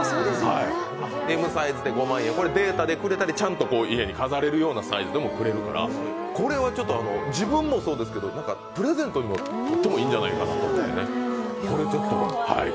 Ｍサイズで５万円、データでくれたり、家に飾れるサイズでくれたりもするからこれは自分もそうですけどプレゼントにとってもいいんじゃないかなと。